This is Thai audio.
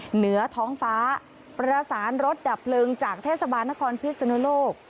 เหนือท้องฟ้าประสานรถดับเพลิงจากเทศบาลนครพิศนุโลก